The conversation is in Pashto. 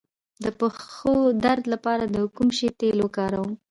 د پښو درد لپاره د کوم شي تېل وکاروم؟